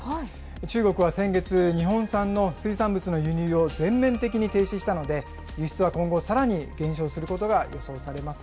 中国は先月、日本産の水産物の輸入を全面的に停止したので、輸出は今後、さらに減少することが予想されます。